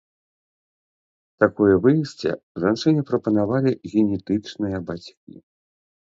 Такое выйсце жанчыне прапанавалі генетычныя бацькі.